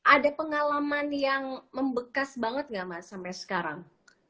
ada pengalaman yang membekas banget gak mas sampai sekarang